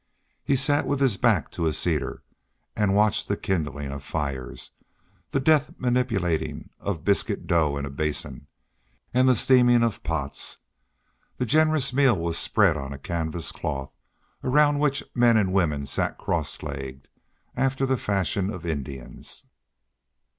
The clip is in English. He sat with his back to a cedar and watched the kindling of fires, the deft manipulating of biscuit dough in a basin, and the steaming of pots. The generous meal was spread on a canvas cloth, around which men and women sat cross legged, after the fashion of Indians.